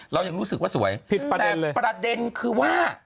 เรายังรู้สึกว่าสวยแต่ประเด็นคือว่า